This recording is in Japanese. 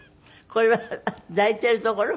これは抱いてるところ？